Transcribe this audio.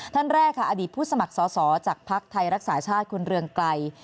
ท่านแรกค่ะอดีตผู้สมัครสอสอจากภักดิ์ไทยรักษาชาติคุณเรืองไกร